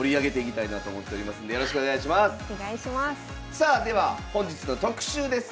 さあでは本日の特集です。